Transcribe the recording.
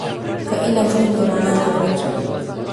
که علم وي نو رڼا نه ورکیږي.